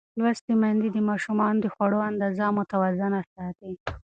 لوستې میندې د ماشومانو د خوړو اندازه متوازنه ساتي.